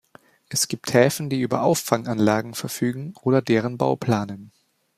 Es gibt Häfen, die über Auffanganlagen verfügen oder deren Bau planen.